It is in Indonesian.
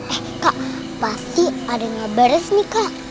eh kak pasti ada yang ngeberes nih kak